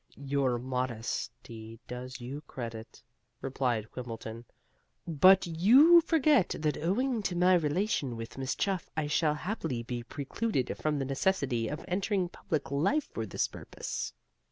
"Your modesty does you credit," replied Quimbleton, "but you forget that owing to my relation with Miss Chuff I shall happily be precluded from the necessity of entering public life for this purpose."